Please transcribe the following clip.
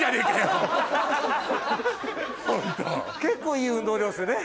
結構いい運動量ですよね。